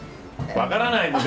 分からない